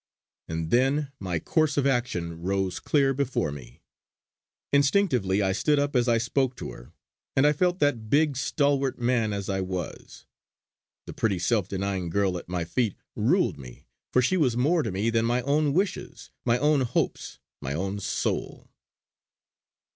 And then my course of action rose clear before me. Instinctively I stood up as I spoke to her, and I felt that big stalwart man as I was, the pretty self denying girl at my feet ruled me, for she was more to me than my own wishes, my own hopes, my own soul.